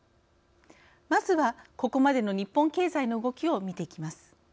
まずはここまでの日本経済の動きをみていきます。